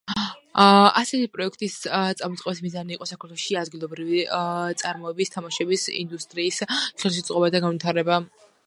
ასეთი პროექტის წამოწყების მიზანი იყო საქართველოში ადგილობრივი წარმოების თამაშების ინდუსტრიის ხელშეწყობა და განვითარება.